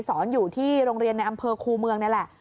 สอนอยู่ที่โรงเรียนในอำเภอคูเมืองนี่แหละ